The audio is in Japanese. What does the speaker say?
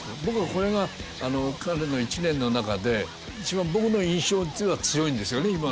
僕はこれが彼の１年の中で一番僕の印象っていうのは強いんですよね